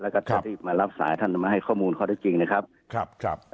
แล้วก็จะรีบมารับสายท่านมาให้ข้อมูลเขาได้จริงนะครับครับครับ